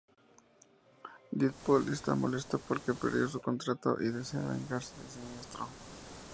Deadpool está molesto porque perdió su contrato y desea vengarse de Siniestro.